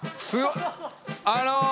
あの。